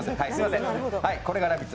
これが「ラヴィット！」